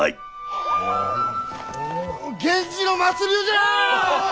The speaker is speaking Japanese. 源氏の末流じゃ！